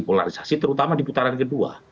polarisasi terutama di putaran ke dua